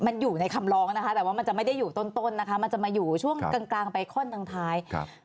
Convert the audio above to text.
มันอยู่ในคำร้องนะคะแต่ว่ามันจะไม่ได้อยู่ต้นต้นนะคะมันจะมาอยู่ช่วงกลางไปข้อนทางท้ายครับ